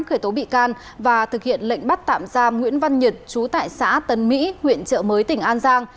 khởi tố bị can và thực hiện lệnh bắt tạm gia nguyễn văn nhật trú tại xã tân mỹ huyện chợ mới tỉnh an giang